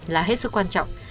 là hết sức quan trọng